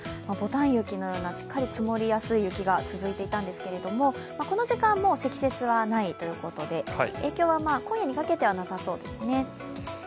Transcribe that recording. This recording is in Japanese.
ぼたん雪のような、しっかり積もりやすい雪が続いていたんですがこの時間はもう積雪はないということで、影響は今夜にかけてはなさそうですね。